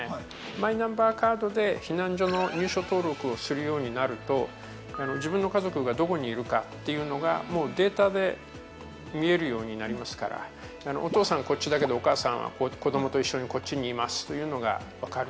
マイナンバーカードで避難所の入所登録をするようになると、自分の家族が、どこにいるかというのが、データで見えるようになりますから、お父さんこっちだけれども、お母さんは子どもと一緒にこっちにいますというのが分かる。